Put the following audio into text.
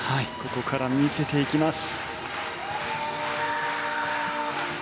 ここから見せていきます。